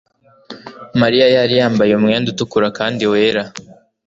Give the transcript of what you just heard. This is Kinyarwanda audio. Mariya yari yambaye umwenda utukura kandi wera.